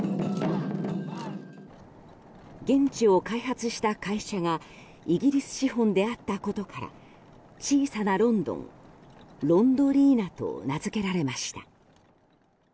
現地を開発した会社がイギリス資本であったことから小さなロンドン、ロンドリーナと名付けられました。